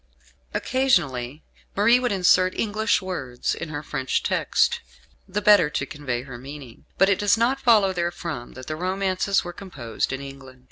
Occasionally, Marie would insert English words in her French text, the better to convey her meaning; but it does not follow therefrom that the romances were composed in England.